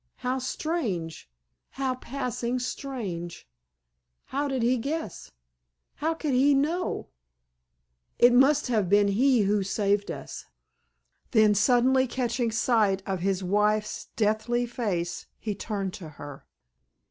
How strange—how passing strange! How did he guess—how could he know—it must have been he who saved us!" Then suddenly catching sight of his wife's deathly face he turned to her.